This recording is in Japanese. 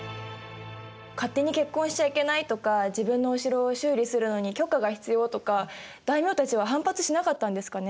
勝手に結婚しちゃいけないとか自分のお城を修理をするのに許可が必要とか大名たちは反発しなかったんですかね？